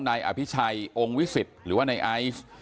นายอภิชัยองค์วิสิตหรือว่าในไอซ์